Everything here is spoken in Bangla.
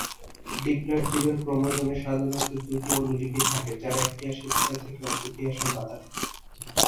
ডিপ্লয়েড জীবের ক্রোমোজোমে সাধারণত দুটি অনুলিপি থাকে যার একটি আসে পিতা থেকে, অপরটি আসে মাতা থেকে।